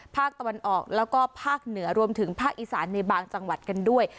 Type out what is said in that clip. ภาคตะวันออกแล้วก็ภาคเหนือรวมถึงภาคอีสานในบางจังหวัดกันด้วย